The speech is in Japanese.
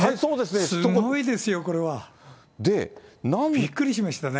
はい、すごいですよ、これは。びっくりしましたね。